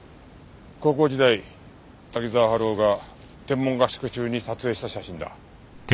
高校時代滝沢春夫が天文合宿中に撮影した写真だ。